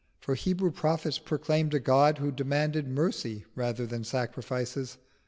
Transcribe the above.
For Hebrew prophets proclaimed a God who demanded mercy rather than sacrifices.